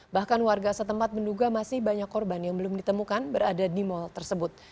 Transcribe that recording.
bahkan warga setempat menduga masih banyak korban yang belum ditemukan berada di mal tersebut